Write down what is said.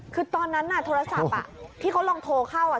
คือตอนนั้นอ่ะโทรศัพท์อ่ะที่เขาลองโทรเข้าอ่ะ